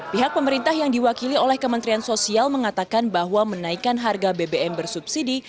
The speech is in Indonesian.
pihak pemerintah yang diwakili oleh kementerian sosial mengatakan bahwa menaikkan harga bbm bersubsidi